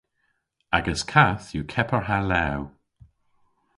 Agas kath yw kepar ha lew.